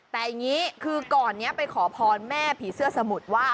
แต่อย่างนี้คือก่อนนี้ไปขอพรแม่ผีเสื้อสมุทรว่า